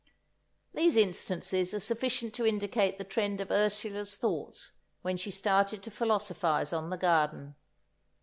These instances are sufficient to indicate the trend of Ursula's thoughts when she started to philosophize on the garden.